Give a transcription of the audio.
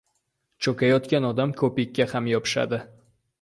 • Cho‘kayotgan odam ko‘pikka ham yopishadi.